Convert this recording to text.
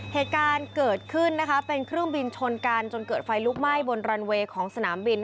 เหตุการณ์เกิดขึ้นเป็นเครื่องบินชนกันจนเกิดไฟลุกไหม้บนรันเวย์ของสนามบิน